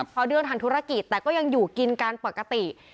เขาเดินทางธุรกิจแต่ก็ยังอยู่กินการปกติ